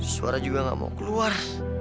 suara juga gak mau keluar